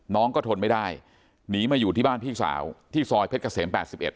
น้องก็ทนไม่ได้หนีมาอยู่ที่บ้านพี่สาวที่ซอยเพชรเกษม๘๑